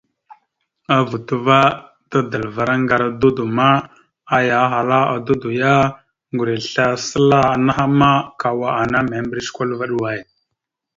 A vuto va, tadalavara ŋgar a dudo ma, aya ahala a dudo ya: Ŋgureslesla naha ma, ka wa ana mèmbirec kwal vaɗ way?